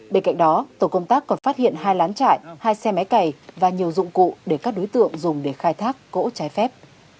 bên cạnh đó tổ công tác còn phát hiện hai lán trại hai xe máy cày và nhiều dụng cụ để các đối tượng dùng để khai thác gỗ trái phép